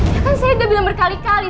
ya kan saya udah bilang berkali kali